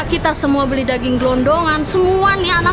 ya udah jadi biasanya